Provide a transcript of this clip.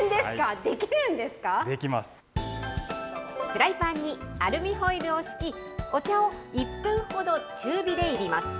フライパンにアルミホイルを敷き、お茶を１分ほど中火でいります。